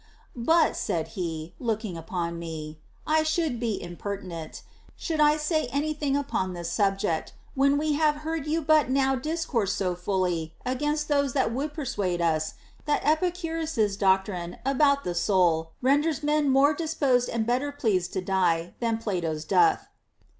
24. But (said he, looking upon me) I should be imperti nent, should I say any thing upon this subject, when we have heard you but now discourse so fully against those that would persuade us that Epicurus's doctrine about the soul renders men more disposed and better pleased to die than Plato's doth.